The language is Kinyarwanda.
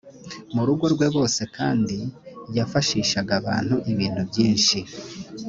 mu rugo rwe bose kandi yafashishaga abantu ibintu byinshi.